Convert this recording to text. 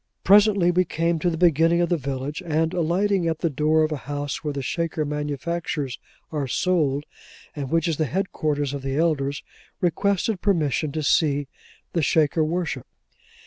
Presently we came to the beginning of the village, and alighting at the door of a house where the Shaker manufactures are sold, and which is the headquarters of the elders, requested permission to see the Shaker worship.